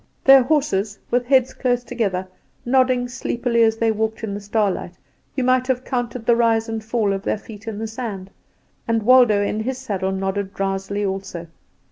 Their horses, with heads close together, nodding sleepily as they walked in the starlight, you might have counted the rise and fall of their feet in the sand; and Waldo in his saddle nodded drowsily also.